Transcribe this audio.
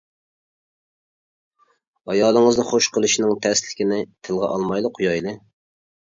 ئايالىڭىزنى خوش قىلىشنىڭ تەسلىكىنى تىلغا ئالمايلا قويايلى.